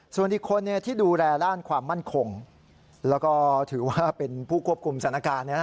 ส่วนอีกคนที่ดูแลด้านความมั่นคงแล้วก็ถือว่าเป็นผู้ควบคุมสถานการณ์